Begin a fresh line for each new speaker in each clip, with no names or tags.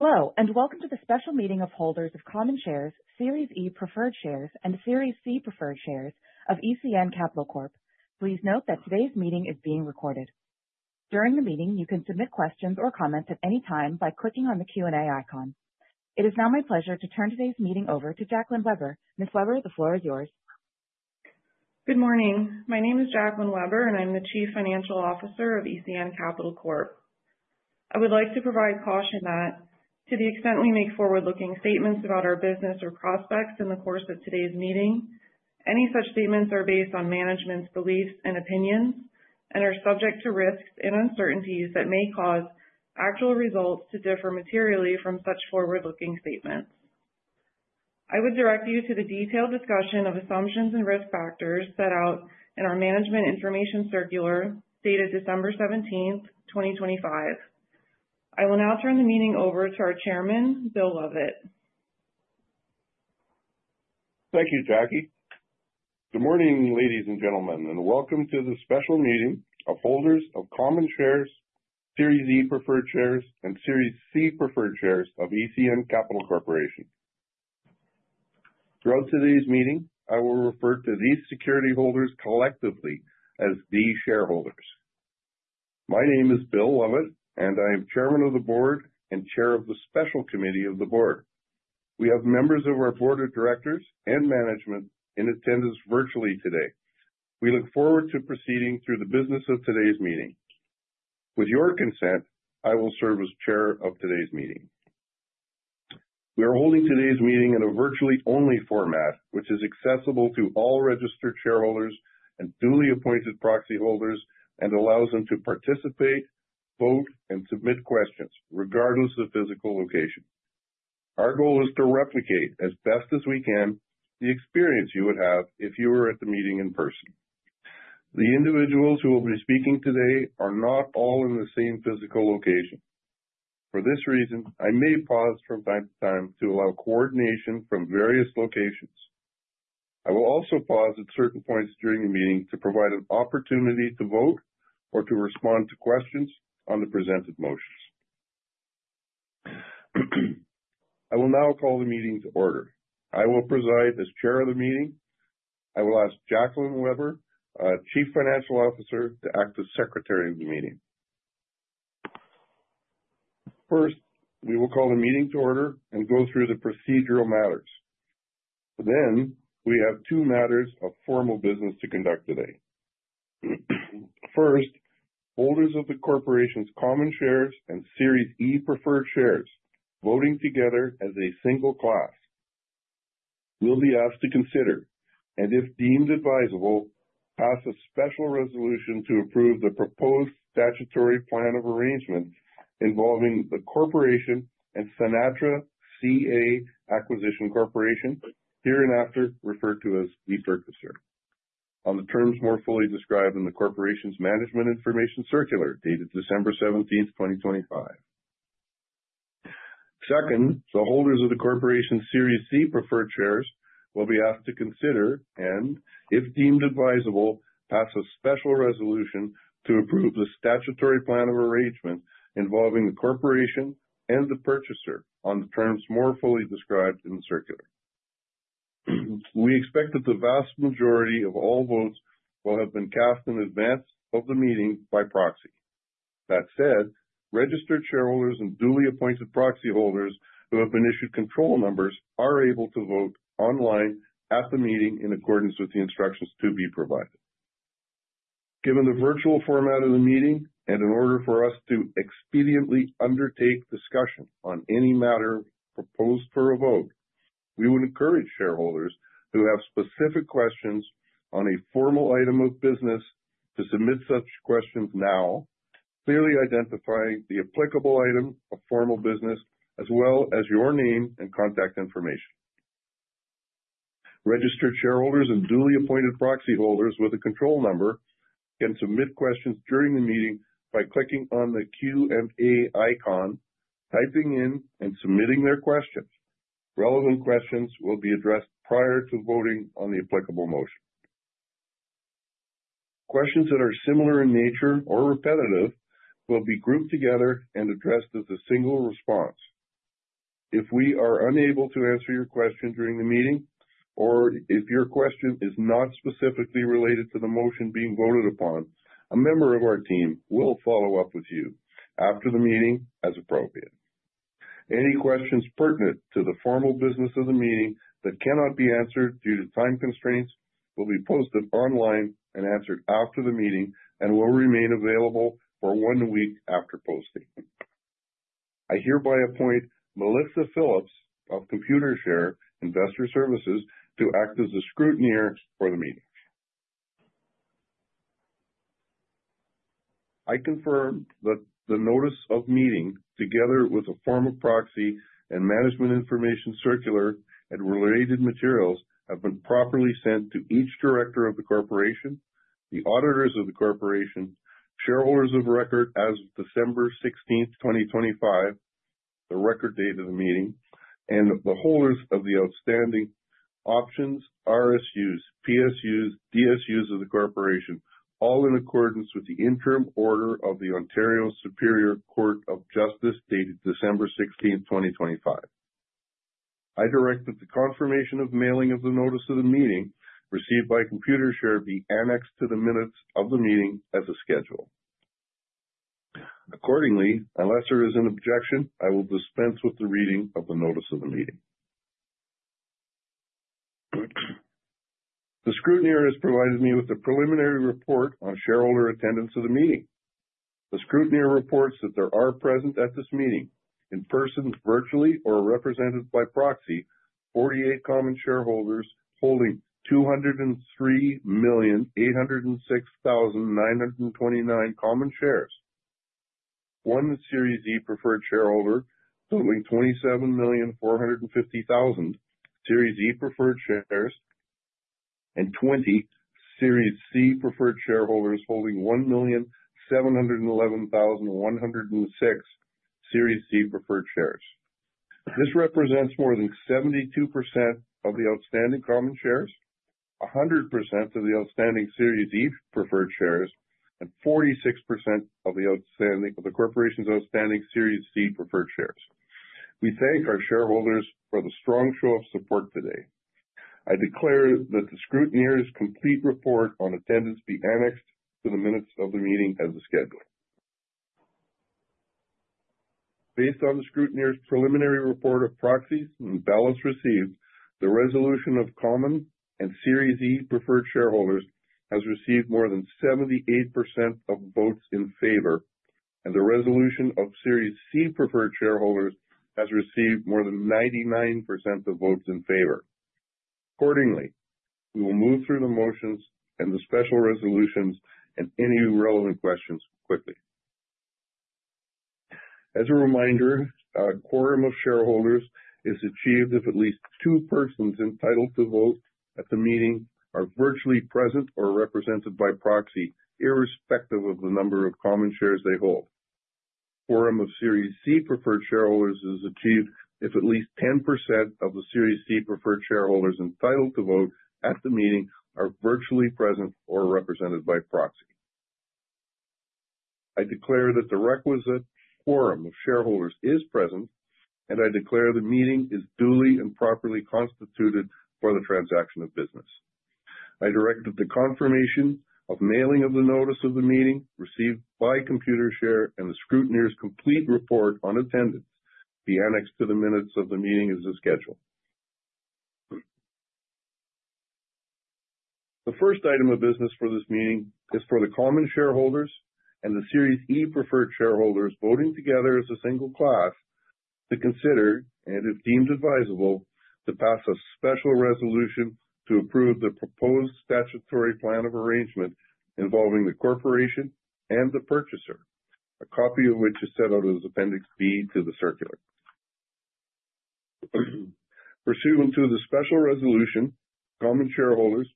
Hello, and welcome to the special meeting of holders of common shares, Series E preferred shares, and Series C preferred shares of ECN Capital Corp. Please note that today's meeting is being recorded. During the meeting, you can submit questions or comments at any time by clicking on the Q&A icon. It is now my pleasure to turn today's meeting over to Jacqueline Weber. Ms. Weber, the floor is yours.
Good morning. My name is Jacqueline Weber, and I'm the Chief Financial Officer of ECN Capital Corp. I would like to provide caution that to the extent we make forward-looking statements about our business or prospects in the course of today's meeting, any such statements are based on management's beliefs and opinions and are subject to risks and uncertainties that may cause actual results to differ materially from such forward-looking statements. I would direct you to the detailed discussion of assumptions and risk factors set out in our Management Information Circular dated December 17, 2025. I will now turn the meeting over to our chairman, William Lovatt.
Thank you, Jackie. Good morning, ladies and gentlemen, and welcome to the special meeting of holders of common shares, Series E preferred shares, and Series C preferred shares of ECN Capital Corporation. Throughout today's meeting, I will refer to these security holders collectively as the shareholders. My name is Bill Lovatt, and I am Chairman of the Board and Chair of the Special Committee of the Board. We have members of our board of directors and management in attendance virtually today. We look forward to proceeding through the business of today's meeting. With your consent, I will serve as chair of today's meeting. We are holding today's meeting in a virtually only format, which is accessible to all registered shareholders and duly appointed proxy holders and allows them to participate, vote, and submit questions regardless of physical location. Our goal is to replicate as best as we can the experience you would have if you were at the meeting in person. The individuals who will be speaking today are not all in the same physical location. For this reason, I may pause from time to time to allow coordination from various locations. I will also pause at certain points during the meeting to provide an opportunity to vote or to respond to questions on the presented motions. I will now call the meeting to order. I will preside as chair of the meeting. I will ask Jacqueline Weber, our Chief Financial Officer, to act as secretary of the meeting. First, we will call the meeting to order and go through the procedural matters. We have 2 matters of formal business to conduct today. First, holders of the corporation's common shares and Series E preferred shares, voting together as a single class, will be asked to consider, and if deemed advisable, pass a special resolution to approve the proposed statutory plan of arrangement involving the corporation and Sinatra CA Acquisition Corporation, hereinafter referred to as the Purchaser, on the terms more fully described in the corporation's Management Information Circular dated December 17, 2025. Second, the holders of the corporation's Series C preferred shares will be asked to consider and, if deemed advisable, pass a special resolution to approve the statutory plan of arrangement involving the corporation and the Purchaser on the terms more fully described in the circular. We expect that the vast majority of all votes will have been cast in advance of the meeting by proxy. That said, registered shareholders and duly appointed proxy holders who have been issued control numbers are able to vote online at the meeting in accordance with the instructions to be provided. Given the virtual format of the meeting, and in order for us to expediently undertake discussion on any matter proposed for a vote, we would encourage shareholders who have specific questions on a formal item of business to submit such questions now, clearly identifying the applicable item of formal business as well as your name and contact information. Registered shareholders and duly appointed proxy holders with a control number can submit questions during the meeting by clicking on the Q&A icon, typing in and submitting their questions. Relevant questions will be addressed prior to voting on the applicable motion. Questions that are similar in nature or repetitive will be grouped together and addressed as a single response. If we are unable to answer your question during the meeting, or if your question is not specifically related to the motion being voted upon, a member of our team will follow up with you after the meeting as appropriate. Any questions pertinent to the formal business of the meeting that cannot be answered due to time constraints will be posted online and answered after the meeting and will remain available for one week after posting. I hereby appoint Melissa Phillips of Computershare Investor Services to act as the scrutineer for the meeting. I confirm that the notice of meeting, together with a form of proxy and Management Information Circular and related materials, have been properly sent to each director of the corporation, the auditors of the corporation, shareholders of record as of December 16, 2025, the record date of the meeting, and the holders of the outstanding Options, RSUs, PSUs, DSUs of the corporation, all in accordance with the interim order of the Ontario Superior Court of Justice, dated December 16, 2025. I direct that the confirmation of mailing of the notice of the meeting received by Computershare be annexed to the minutes of the meeting as a schedule. Accordingly, unless there is an objection, I will dispense with the reading of the notice of the meeting. The scrutineer has provided me with a preliminary report on shareholder attendance of the meeting. The scrutineer reports that there are present at this meeting, in person, virtually or represented by proxy, 48 common shareholders holding 203,806,929 common shares. 1 Series E preferred shareholder holding 27,450,000 Series E preferred shares. 20 Series C preferred shareholders holding 1,711,106 Series C preferred shares. This represents more than 72% of the outstanding common shares, 100% of the outstanding Series E preferred shares, and 46% of the corporation's outstanding Series C preferred shares. We thank our shareholders for the strong show of support today. I declare that the scrutineer's complete report on attendance be annexed to the minutes of the meeting as a schedule. Based on the scrutineer's preliminary report of proxies and ballots received, the resolution of common and Series E preferred shareholders has received more than 78% of votes in favor, and the resolution of Series C preferred shareholders has received more than 99% of votes in favor. Accordingly, we will move through the motions and the special resolutions and any relevant questions quickly. As a reminder, a quorum of shareholders is achieved if at least 2 persons entitled to vote at the meeting are virtually present or represented by proxy, irrespective of the number of common shares they hold. Quorum of Series C preferred shareholders is achieved if at least 10% of the Series C preferred shareholders entitled to vote at the meeting are virtually present or represented by proxy. I declare that the requisite quorum of shareholders is present. I declare the meeting is duly and properly constituted for the transaction of business. I direct that the confirmation of mailing of the notice of the meeting received by Computershare and the scrutineer's complete report on attendance be annexed to the minutes of the meeting as a schedule. The first item of business for this meeting is for the common shareholders and the Series E preferred shareholders voting together as a single class to consider, and if deemed advisable, to pass a special resolution to approve the proposed statutory plan of arrangement involving the corporation and the purchaser, a copy of which is set out as Appendix B to the circular. Pursuant to the special resolution, common shareholders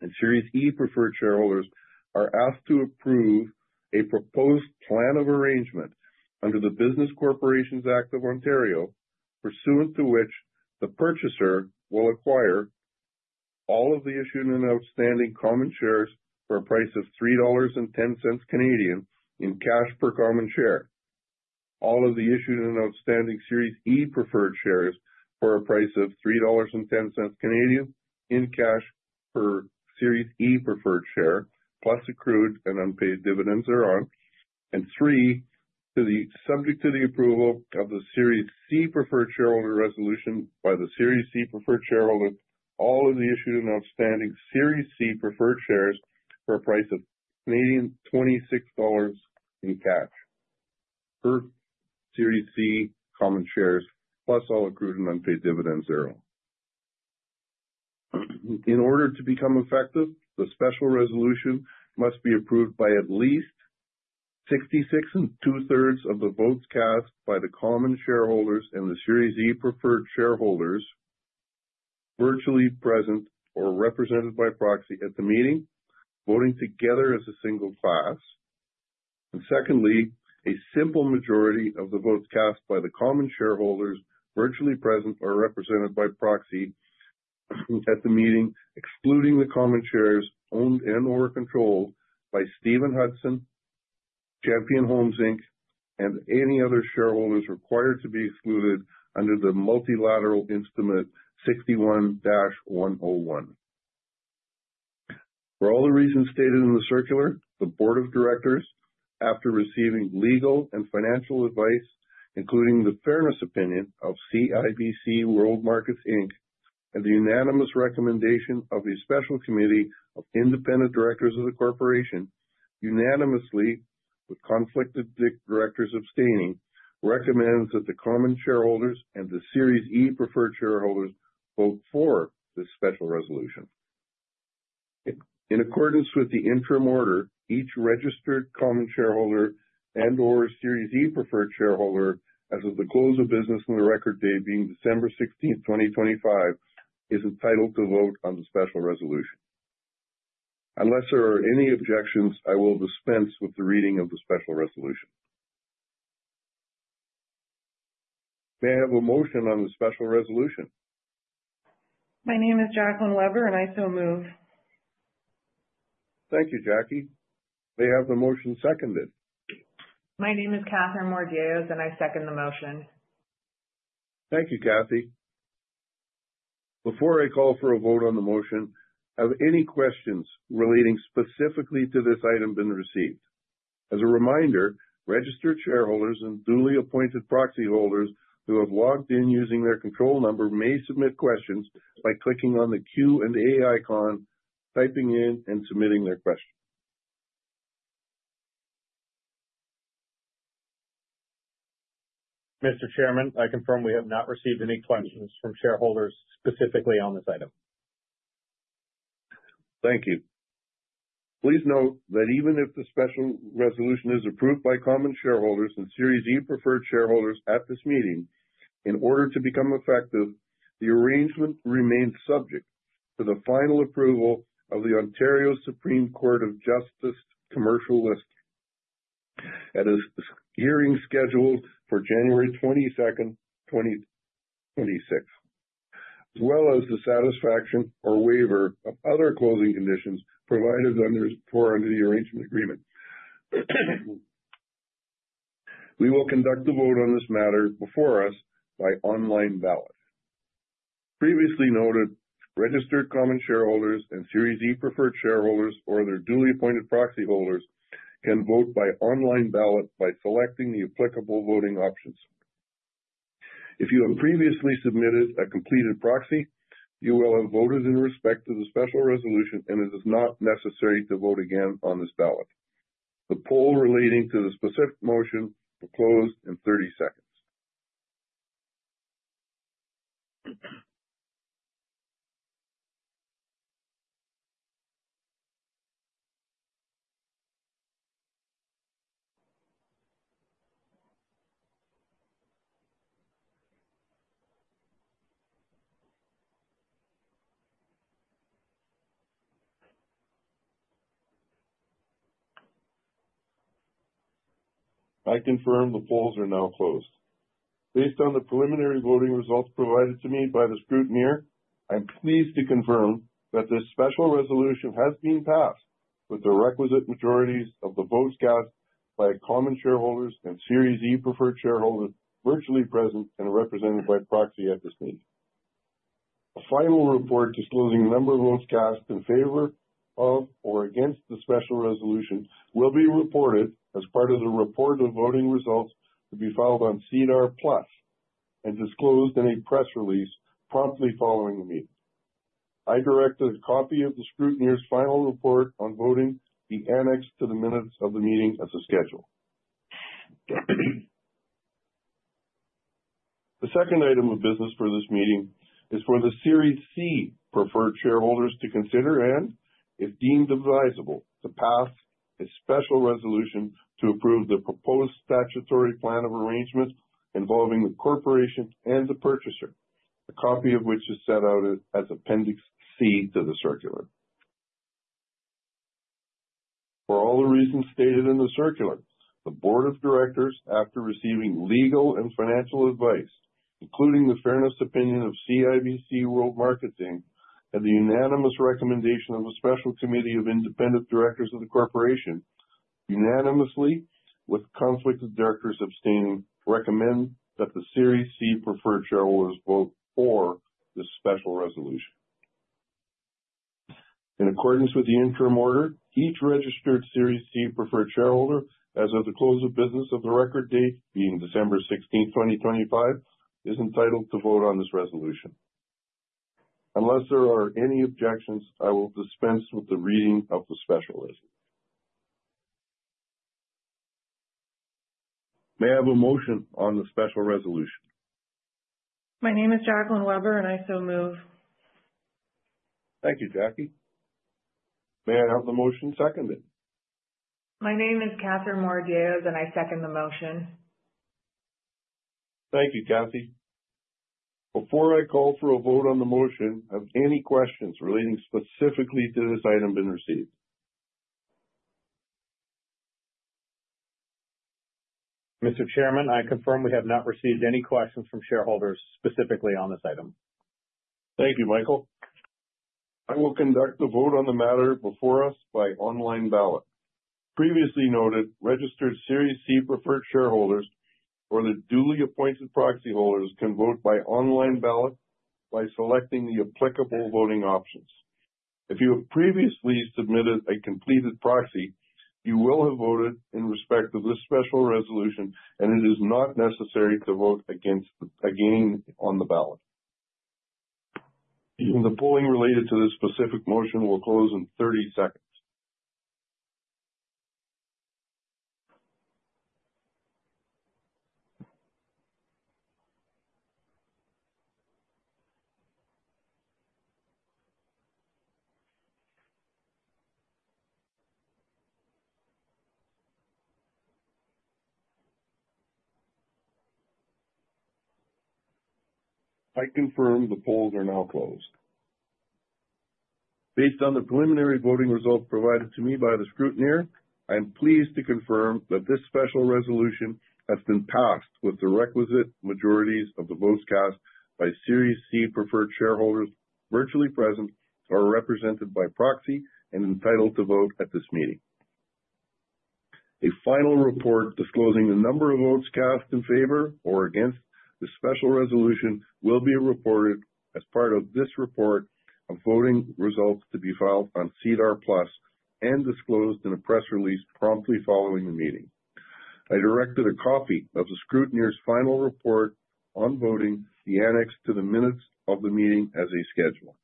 and Series E preferred shareholders are asked to approve a proposed plan of arrangement under the Business Corporations Act (Ontario), pursuant to which the purchaser will acquire all of the issued and outstanding common shares for a price of 3.10 Canadian dollars in cash per common share. All of the issued and outstanding Series E preferred shares for a price of 3.10 Canadian dollars in cash per Series E preferred share, plus accrued and unpaid dividends thereon. Subject to the approval of the Series C preferred shareholder resolution by the Series C preferred shareholders, all of the issued and outstanding Series C preferred shares for a price of 26 Canadian dollars in cash per Series C common shares, plus all accrued and unpaid dividends thereon. In order to become effective, the special resolution must be approved by at least 66 and two-thirds of the votes cast by the common shareholders and the Series E preferred shareholders virtually present or represented by proxy at the meeting, voting together as a single class. Secondly, a simple majority of the votes cast by the common shareholders virtually present or represented by proxy at the meeting, excluding the common shares owned and/or controlled by Steven Hudson, Champion Homes, Inc., and any other shareholders required to be excluded under the Multilateral Instrument 61-101. For all the reasons stated in the circular, the board of directors, after receiving legal and financial advice, including the fairness opinion of CIBC World Markets Inc. The unanimous recommendation of the special committee of independent directors of the corporation, unanimously, with conflicted directors abstaining, recommends that the common shareholders and the Series E preferred shareholders vote for this special resolution. In accordance with the interim order, each registered common shareholder and/or Series E preferred shareholder, as of the close of business on the record date being December 16th, 2025, is entitled to vote on the special resolution. Unless there are any objections, I will dispense with the reading of the special resolution. May I have a motion on the special resolution?
My name is Jacqueline Weber, and I so move.
Thank you, Jackie. May I have the motion seconded?
My name is Katherine Moradiellos, and I second the motion.
Thank you, Kathy. Before I call for a vote on the motion, have any questions relating specifically to this item been received? As a reminder, registered shareholders and duly appointed proxy holders who have logged in using their control number may submit questions by clicking on the Q&A icon, typing in and submitting their question.
Mr. Chairman, I confirm we have not received any questions from shareholders specifically on this item.
Thank you. Please note that even if the special resolution is approved by common shareholders and Series E preferred shareholders at this meeting, in order to become effective, the arrangement remains subject to the final approval of the Ontario Superior Court of Justice (Commercial List) at a hearing scheduled for January 22nd, 2026, as well as the satisfaction or waiver of other closing conditions provided under the arrangement agreement. We will conduct the vote on this matter before us by online ballot. Previously noted, registered common shareholders and Series E preferred shareholders or their duly appointed proxy holders can vote by online ballot by selecting the applicable voting options. If you have previously submitted a completed proxy, you will have voted in respect to the special resolution, It is not necessary to vote again on this ballot. The poll relating to the specific motion will close in 30 seconds. I confirm the polls are now closed. Based on the preliminary voting results provided to me by the scrutineer, I'm pleased to confirm that this special resolution has been passed with the requisite majorities of the votes cast by common shareholders and Series E preferred shareholders virtually present and represented by proxy at this meeting. A final report disclosing the number of votes cast in favor of or against the special resolution will be reported as part of the report of voting results to be filed on SEDAR+ and disclosed in a press release promptly following the meeting. I direct a copy of the scrutineer's final report on voting be annexed to the minutes of the meeting as a schedule. The second item of business for this meeting is for the Series C preferred shareholders to consider and, if deemed advisable, to pass a special resolution to approve the proposed statutory plan of arrangement involving the corporation and the purchaser, a copy of which is set out as Appendix C to the circular. For all the reasons stated in the circular, the Board of Directors, after receiving legal and financial advice, including the fairness opinion of CIBC World Markets Inc., and the unanimous recommendation of a special committee of independent directors of the corporation unanimously, with conflicted directors abstaining, recommend that the Series C preferred shareholders vote for this special resolution. In accordance with the interim order, each registered Series C preferred shareholder, as of the close of business of the record date, being December 16th, 2025, is entitled to vote on this resolution. Unless there are any objections, I will dispense with the reading of the special resolution. May I have a motion on the special resolution?
My name is Jacqueline Weber, and I so move.
Thank you, Jackie. May I have the motion seconded?
My name is Katherine Moradiellos, and I second the motion.
Thank you, Kathy. Before I call for a vote on the motion, have any questions relating specifically to this item been received?
Mr. Chairman, I confirm we have not received any questions from shareholders specifically on this item.
Thank you, Michael. I will conduct the vote on the matter before us by online ballot. Previously noted, registered Series C preferred shareholders or their duly appointed proxy holders can vote by online ballot by selecting the applicable voting options. If you have previously submitted a completed proxy, you will have voted in respect of this special resolution, and it is not necessary to vote against again on the ballot. The polling related to this specific motion will close in 30 seconds. I confirm the polls are now closed. Based on the preliminary voting results provided to me by the scrutineer, I am pleased to confirm that this special resolution has been passed with the requisite majorities of the votes cast by Series C preferred shareholders virtually present or represented by proxy and entitled to vote at this meeting. A final report disclosing the number of votes cast in favor or against the special resolution will be reported as part of this report on voting results to be filed on SEDAR+ and disclosed in a press release promptly following the meeting. I direct a copy of the scrutineer's final report on voting be annexed to the minutes of the meeting as a schedule.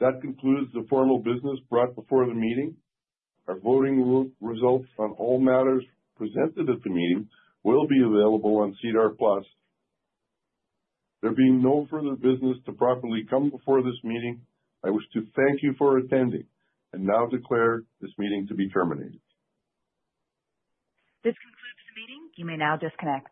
That concludes the formal business brought before the meeting. Our voting re-results on all matters presented at the meeting will be available on SEDAR+. There being no further business to properly come before this meeting, I wish to thank you for attending and now declare this meeting to be terminated.
This concludes the meeting. You may now disconnect.